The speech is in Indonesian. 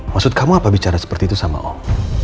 maksud kamu apa bicara seperti itu sama om